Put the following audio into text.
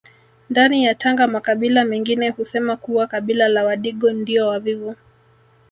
Ndani ya Tanga makabila mengine husema kuwa kabila la Wadigo ndio wavivu